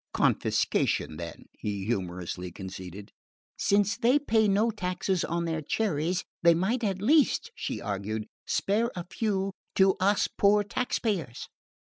"Confiscation, then," he humorously conceded. "Since they pay no taxes on their cherries they might at least," she argued, "spare a few to us poor taxpayers."